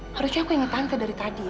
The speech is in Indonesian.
harusnya aku ingat tante dari tadi ya